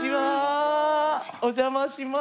お邪魔します。